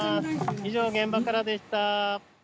以上、現場からでした。